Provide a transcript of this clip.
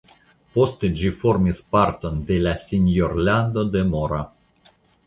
Poste ĝi formis parton de la senjorlando de Mora.